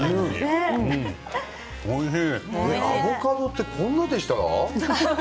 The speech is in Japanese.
アボカドってこんなんでした？